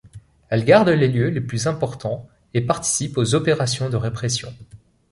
Elle garde les lieux les plus importants et participe aux opérations de répression.